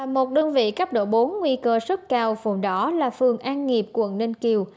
một đơn vị cấp độ bốn nguy cơ rất cao phùn đỏ là phường an nghiệp quận ninh kiều